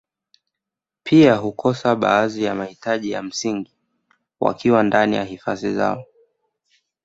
Pia hukosa baadhi ya mahitaji ya msingi wakiwa ndani ya hifadhi zao